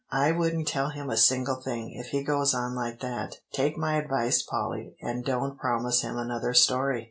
"I wouldn't tell him a single thing, if he goes on like that. Take my advice, Polly, and don't promise him another story."